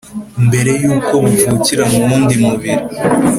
mbere y’uko buvukira mu wundi mubiri.